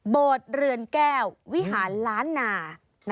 เรือนแก้ววิหารล้านนา